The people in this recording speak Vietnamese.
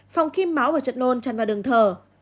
phòng khi máu và chất nôn tràn vào đường thở